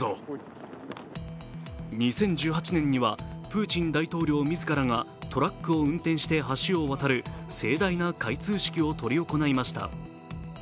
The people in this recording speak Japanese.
２０１８年にはプーチン大統領自らがトラックを運転して橋を渡る盛大な開通式を執り行いました。